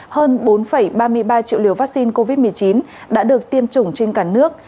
hơn bốn ba mươi ba triệu liều vaccine covid một mươi chín đã được tiêm chủng trên cả nước